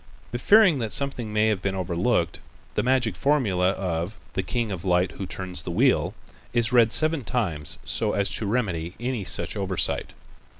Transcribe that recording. But fearing that something may have been overlooked, the magic formula of "the king of light who turns the wheel" is read seven times so as to remedy such oversight.